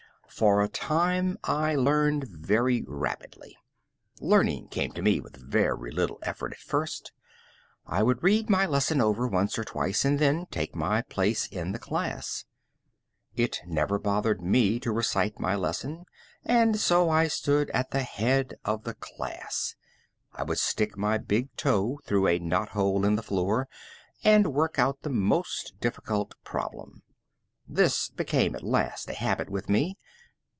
For a time I learned very rapidly. Learning came to me with very little effort at first. I would read my lesson over once or twice and then take my place in the class. It never bothered me to recite my lesson and so I stood at the head of the class. I could stick my big toe through a knot hole in the floor and work out the most difficult problem. This became at last a habit with me.